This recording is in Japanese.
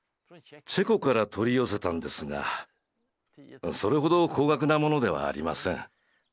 チェコから取り寄せたんですがそれほど高額なものではありません。